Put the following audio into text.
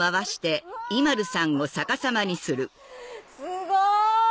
すごい！